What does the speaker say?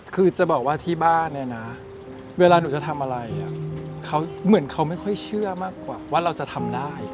คือจะบอกว่าที่บ้านเนี่ยนะเวลาหนูจะทำอะไรเขาเหมือนเขาไม่ค่อยเชื่อมากกว่าว่าเราจะทำได้